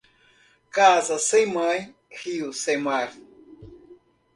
Casa sem mãe, rio sem mar.